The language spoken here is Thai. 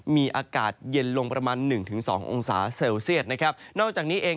มีอากาศเย็นลงประมาณ๑๒องศาเซลเซียสนอกจากนี้เอง